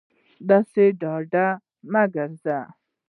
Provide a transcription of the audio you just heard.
داسې ډاډه مه گرځه